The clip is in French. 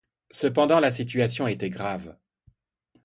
Cependant la situation était grave.